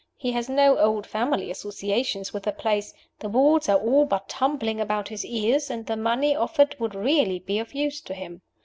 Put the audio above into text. He has no old family associations with the place; the walls are all but tumbling about his ears; and the money offered would really be of use to him.